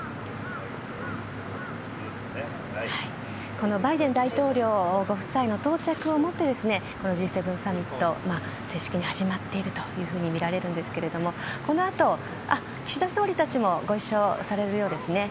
このバイデン大統領ご夫妻の到着をもってＧ７サミット、正式に始まっているとみられるんですがこのあと岸田総理たちもご一緒されるようですね。